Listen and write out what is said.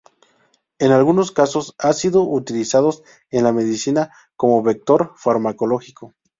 En algunos casos, han sido utilizados en la medicina como vector farmacológico.